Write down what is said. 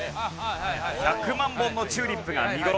１００万本のチューリップが見頃。